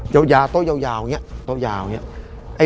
เยาวโต๊ะเยาวอย่างนี้